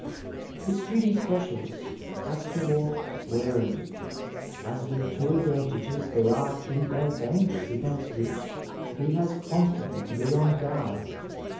m The student'Speoidlist has to walk warily, as with two advantages there are two great dangers against which he has constantly to be on guard.